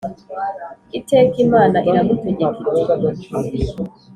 iteka Imana iramutegeka iti